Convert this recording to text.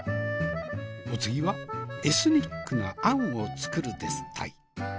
お次はエスニックなあんを作るですたい。